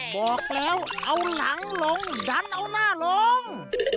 บอกแล้วเอาหนังลงดันเอาหน้าลง